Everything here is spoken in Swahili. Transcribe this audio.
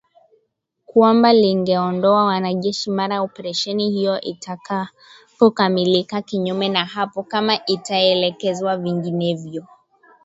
Kwamba lingeondoa wanajeshi mara operesheni hiyo itakapokamilika, kinyume na hapo kama itaelekezwa vinginevyo